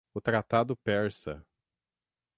O Tratado Persa